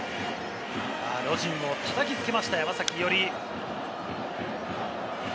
ロジンを叩きつけました、山崎伊織。